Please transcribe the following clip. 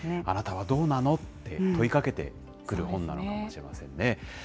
あなたはどうなのって問いかけてくる本なのかもしれませんね。